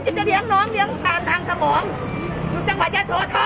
จะเหลียงน้องเหลียงตามทางสมองจังหวัดยาโสธร